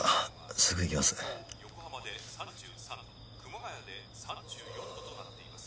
すぐ行きます横浜で３３度熊谷で３４度となっています